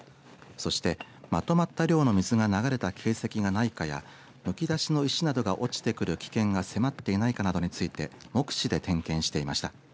そして、まとまった量の水が流れた形跡がないかやむき出しの石などが落ちてくる危険が迫っていないかなどについて目視で点検していました。